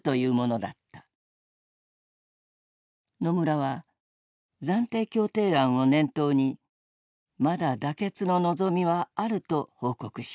野村は暫定協定案を念頭にまだ妥結の望みはあると報告した。